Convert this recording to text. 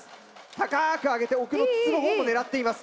高く上げて奥の筒のほうも狙っています。